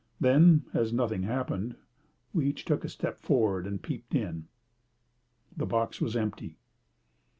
Then, as nothing happened, we each took a step forward and peeped in. The box was empty.